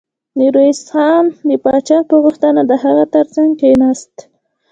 ميرويس خان د پاچا په غوښتنه د هغه تر څنګ کېناست.